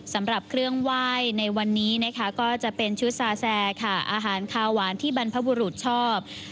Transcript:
สำหรับเครื่องไหว้ในวันนี้นะคะก็จะเป็นชุดซาแซค่ะอาหารคาวหวานที่บรรพบุรุษชอบ